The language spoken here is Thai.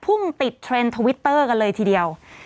พุ่งติดเทรนด์ทวิตเตอร์กันเลยทีเดียว